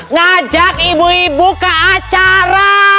ngajak ibu ibu ke acara